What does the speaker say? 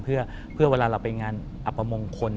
เพื่อเวลาเราไปงานอัปมงคล